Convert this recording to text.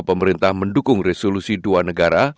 pemerintah mendukung resolusi dua negara